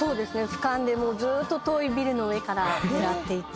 俯瞰でもうずっと遠いビルの上から狙っていて。